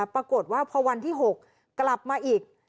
ปรากฏว่าพอวันที่๖กลับมาอีก